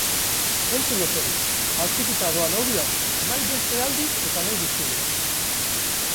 Entzun osorik, atxikita doan audioan, nahi beste aldiz eta nahi duzunean.